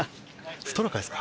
ストラカですか？